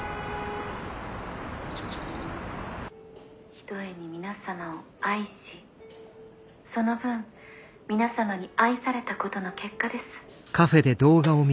「ひとえに皆様を愛しその分皆様に愛されたことの結果です。